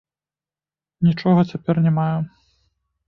Нічога цяпер не маю.